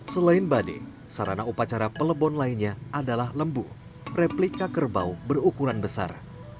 selain bade sarana upacara pelebon lainnya adalah lembu replika kerbau berukuran besar